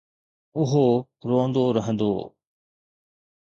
اهو روئندو رهندو.